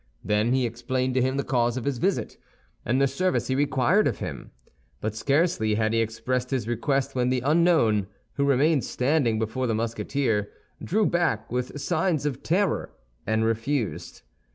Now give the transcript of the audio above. Then he explained to him the cause of his visit, and the service he required of him. But scarcely had he expressed his request when the unknown, who remained standing before the Musketeer, drew back with signs of terror, and refused.